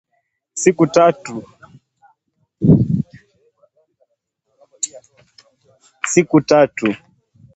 Siku tatu